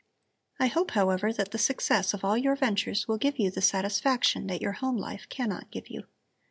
I hope, however, that the success of all your ventures will give you the satisfaction that your home life cannot give you.